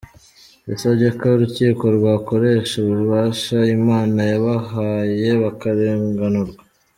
Yasabye ko urukiko rwakoresha ububasha Imana yabahaye bakarenganurwa.